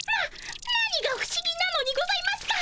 何がふしぎなのにございますか？